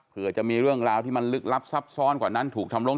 เผื่อจะมีเรื่องราวที่มันลึกลับซับซ้อนกว่านั้นถูกทำลง